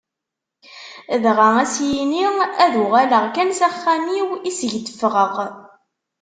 Dɣa ad s-yini: ad uɣaleɣ kan s axxam-iw iseg d-ffɣeɣ.